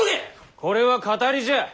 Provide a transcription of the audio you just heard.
これは騙りじゃ。